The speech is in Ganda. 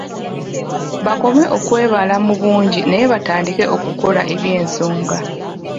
Bakome okwebala mu bungi naye batandike okukola eby’ensonga.